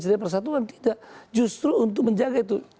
tidak persatuan tidak justru untuk menjaga itu